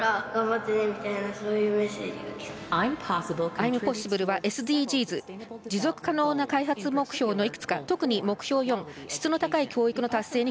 アイムポッシブルはＳＤＧｓ＝持続可能な開発目標を特に目標４、質の高い教育に